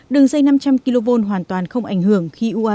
đường dây năm trăm linh kv hoàn toàn không ảnh hưởng